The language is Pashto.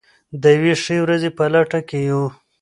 د یوې ښې ورځې په لټه کې یو.